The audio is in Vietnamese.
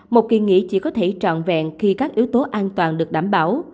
một kỳ nghỉ chỉ có thể trọn vẹn khi các yếu tố an toàn được đảm bảo